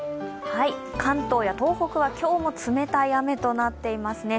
関東や東北は今日も冷たい雨となっていますね。